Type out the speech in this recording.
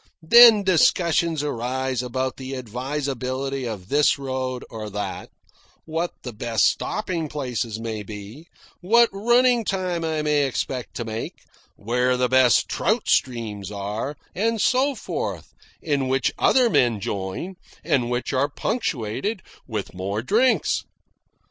Then discussions arise about the advisability of this road or that, what the best stopping places may be, what running time I may expect to make, where the best trout streams are, and so forth, in which other men join, and which are punctuated with more drinks.